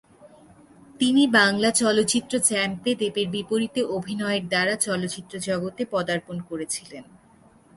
তিনি বাংলা চলচ্চিত্র চ্যাম্প-এ দেবের বিপরীতে অভিনয়ের দ্বারা চলচ্চিত্র জগতে পদার্পণ করেছিলেন।